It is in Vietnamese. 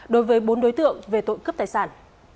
đối với bốn đối tượng về tội cướp tài sản